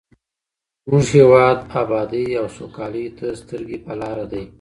زموږ هیواد ابادۍ او سوکالۍ ته سترګې په لاره دی.